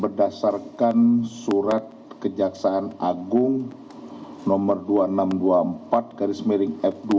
berdasarkan surat kejaksaan agung nomor dua ribu enam ratus dua puluh empat garis miring f dua